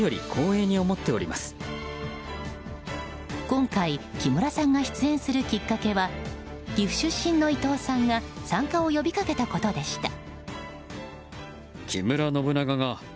今回、木村さんが出演するきっかけは岐阜出身の伊藤さんが参加を呼びかけたことでした。